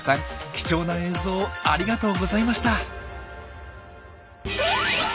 貴重な映像ありがとうございました。